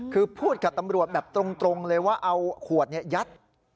คือพูดกับตำรวจแบบตรงเลยว่าเอาขวดยัด